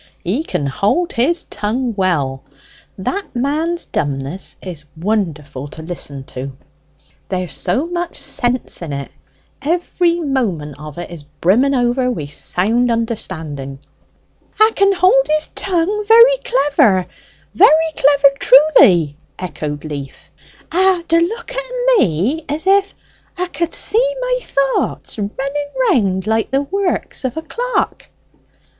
He can hold his tongue well. That man's dumbness is wonderful to listen to." "There's so much sense in it. Every moment of it is brimmen over wi' sound understanding." "'A can hold his tongue very clever very clever truly," echoed Leaf. "'A do look at me as if 'a could see my thoughts running round like the works of a clock."